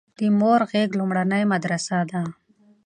د مور غيږ لومړنۍ مدرسه ده